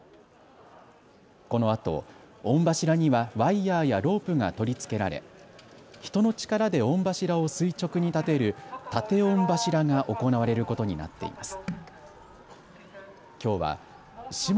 このあと御柱にはワイヤーやロープが取り付けられ人の力で御柱を垂直に建てる建御柱が行われることになっています。